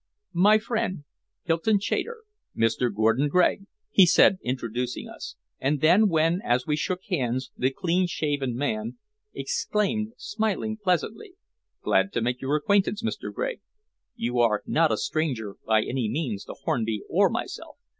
"My friend, Hylton Chater Mr. Gordon Gregg," he said, introducing us, and then when, as we shook hands, the clean shaven man exclaimed, smiling pleasantly "Glad to make your acquaintance, Mr. Gregg. You are not a stranger by any means to Hornby or myself.